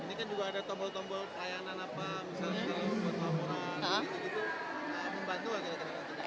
ini kan juga ada tombol tombol layanan apa misalnya kalau buat pelaporan gitu membantu nggak